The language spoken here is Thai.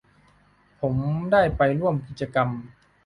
ผมได้ไปร่วมกิจกรรม